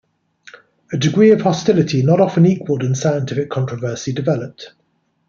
A degree of hostility not often equaled in scientific controversy developed.